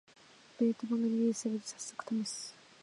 ベータ版がリリースされて、さっそくためす